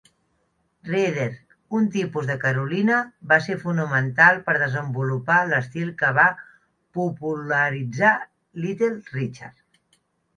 Reeder, un tipus de Carolina, va ser fonamental per desenvolupar l'estil que va popularitzar Little Richard.